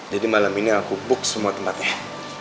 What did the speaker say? jadi malam ini aku book semua tempatnya